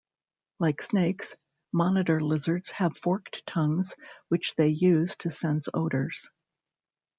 Like snakes, monitor lizards have forked tongues which they use to sense odors.